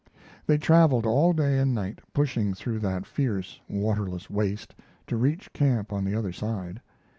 They traveled all day and night, pushing through that fierce, waterless waste to reach camp on the other side.